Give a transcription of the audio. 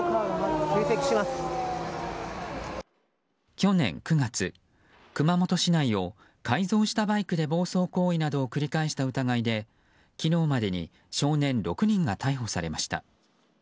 去年９月熊本市内を改造したバイクなどで暴走行為などを繰り返した疑いで昨日までに少年６人が逮捕されました。